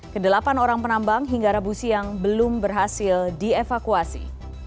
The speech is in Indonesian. kedelapan orang penambang hingga rabu siang belum berhasil dievakuasi